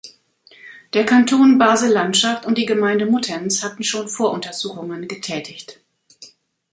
Der Kanton Basel-Landschaft und die Gemeinde Muttenz hatten schon Voruntersuchungen getätigt.